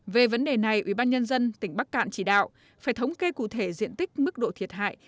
về vấn đề này ubnd tỉnh bắc cạn chỉ đạo phải thống kê cụ thể diện tích mức độ thiệt hại